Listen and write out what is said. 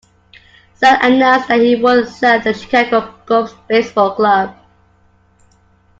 Zell announced that he would sell the Chicago Cubs baseball club.